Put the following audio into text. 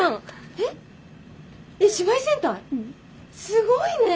すごいね！